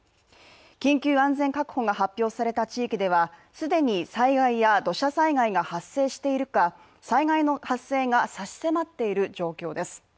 緊急安全確保が発表された地域では既に災害や土砂災害が発生しているか災害の発生が差し迫っている状況です。